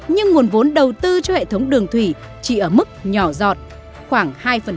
nhưng nguồn vốn đầu tư cho hệ thống đường thủy chỉ ở mức nhỏ giọt khoảng hai